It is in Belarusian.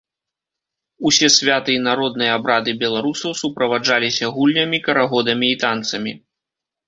Усе святы і народныя абрады беларусаў суправаджаліся гульнямі, карагодамі і танцамі.